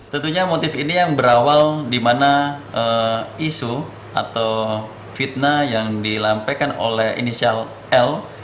tentunya motif ini yang berawal di mana isu atau fitnah yang dilampaikan oleh inisial l